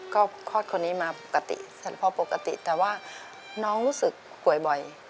ก็คลอดคนนี้มาปกติพอปกติแต่ว่าน้องรู้สึกป่วยบ่อย